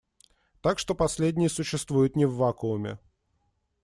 Так что последние существуют не в вакууме.